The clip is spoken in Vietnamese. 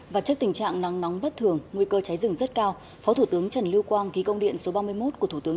và trước tình trạng nắng nóng bất thường nguy cơ cháy rừng rất cao phó thủ tướng trần lưu quang ký công điện số ba mươi một